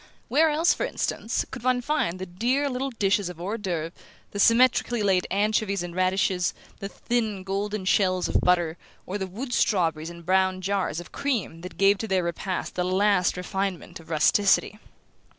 Where else, for instance, could one find the dear little dishes of hors d'oeuvre, the symmetrically laid anchovies and radishes, the thin golden shells of butter, or the wood strawberries and brown jars of cream that gave to their repast the last refinement of rusticity?